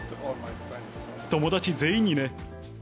友達全員にね。